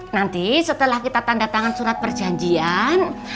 nanti setelah kita tanda tangan surat perjanjian